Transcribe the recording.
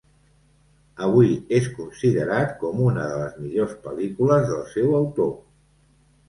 Avui és considerat com una de les millors pel·lícules del seu autor.